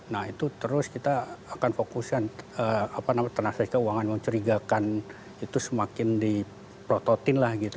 nah itu terus kita akan fokuskan apa namanya teras dari keuangan mencurigakan itu semakin di prototin lah gitu